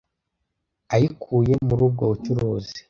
ayikuye muri ubwo bucuruzi